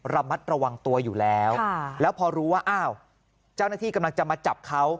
ระมัดระวังตัวอยู่แล้วแล้วพอรู้ว่าอ้าวเจ้าหน้าที่กำลังจะมาจับเขา